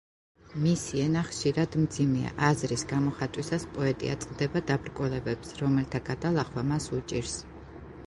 მისი ენა ხშირად მძიმეა, აზრის გამოხატვისას პოეტი აწყდება დაბრკოლებებს, რომელთა გადალახვა მას უჭირს.